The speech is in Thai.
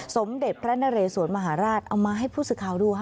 สมเด็จพระนเรสวนมหาราชเอามาให้ผู้สื่อข่าวดูค่ะ